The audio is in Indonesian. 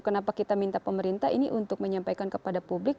kenapa kita minta pemerintah ini untuk menyampaikan kepada publik